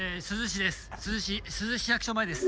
珠洲市です。